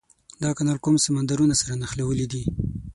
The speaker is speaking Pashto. دا کانال کوم سمندرونه سره نښلولي دي؟